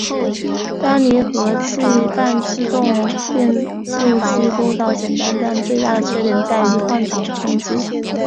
单离合器半自动变速器构造简单但最大的缺点在于换挡冲击。